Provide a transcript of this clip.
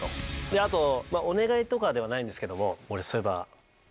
あとお願いとかではないんですけども俺そういえば。